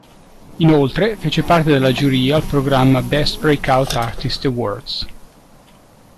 Inoltre fece parte della giuria al programma Best Breakout Artist Awards.